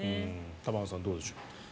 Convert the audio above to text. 玉川さん、どうでしょう。